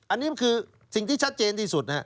อันนี้คือสิ่งที่ชัดเจนที่สุด